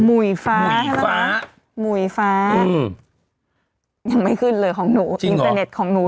หมุยฟ้าหมุยฟ้าอืมยังไม่ขึ้นเลยของหนูจริงหรออินเตอร์เน็ตของหนู